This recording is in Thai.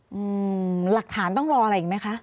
หลักฐานต้องรออะไรอีกไหมคะ